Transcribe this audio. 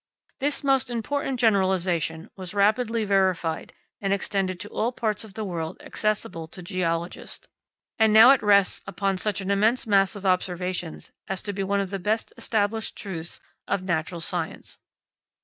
This most important generalisation was rapidly verified and extended to all parts of the world accessible to geologists; and now it rests upon such an immense mass of observations as to be one of the best established truths of natural science.